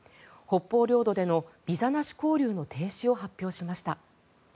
北方領土でのビザなし交流の停止を発表しました。